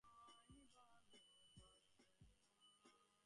এই বিভিন্ন ঋতুগুলোকে মিস করি।